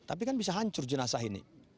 tapi kan bisa hancur jenazah ini